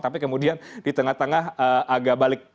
tapi kemudian di tengah tengah agak balik